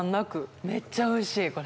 めっちゃおいしいこれ。